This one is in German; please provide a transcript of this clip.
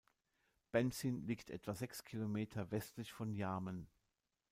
Bentzin liegt etwa sechs Kilometer westlich von Jarmen.